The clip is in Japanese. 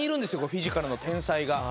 フィジカルの天才が。